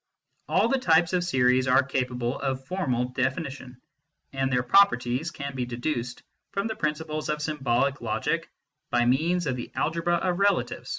All types of series are capable of formal definition, and their properties can be deduced from the principles of symbolic logic by means of the Algebra of Relatives.